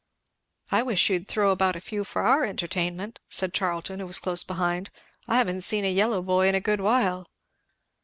"I wish you'd throw about a few for our entertainment," said Charlton, who was close behind. "I haven't seen a yellow boy in a good while."